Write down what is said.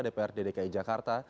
dprd dki jakarta